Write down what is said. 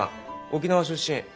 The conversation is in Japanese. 沖縄出身。